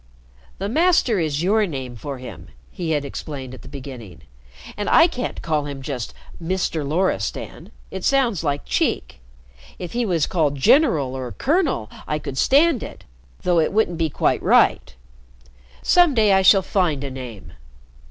"'The Master' is your name for him," he had explained at the beginning. "And I can't call him just 'Mister' Loristan. It sounds like cheek. If he was called 'General' or 'Colonel' I could stand it though it wouldn't be quite right. Some day I shall find a name.